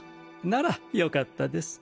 ならよかったです。